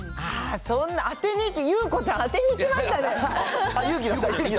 ああ、そんな、当てにいって、ゆう子ちゃん、当てにいきましたね。